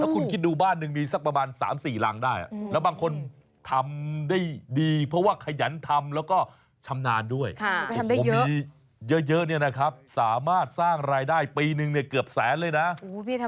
กินต่อก็ต้องกินกันเพราะว่ามันอร่อยก็เลยต่อ